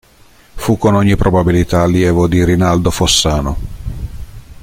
Fu con ogni probabilità allievo di Rinaldo Fossano.